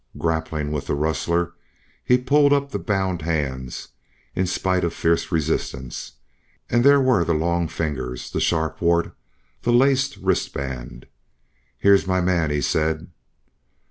Grappling with the rustler, he pulled up the bound hands, in spite of fierce resistance, and there were the long fingers, the sharp wart, the laced wristband. "Here's my man!" he said.